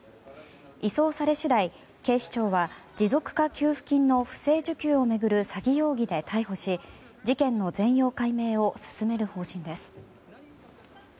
移送され次第、警視庁は持続化給付金の不正受給を巡る詐欺容疑で逮捕し事件の全容解明を進める方針です。